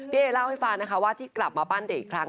พี่เอเล่าให้ฟันนะคะว่าที่กลับมาปั้นเด็กอีกครั้ง